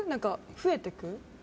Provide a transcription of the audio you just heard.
増えていく？